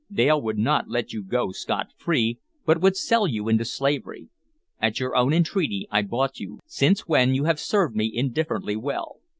"Dale would not let you go scot free, but would sell you into slavery. At your own entreaty I bought you, since when you have served me indifferently well.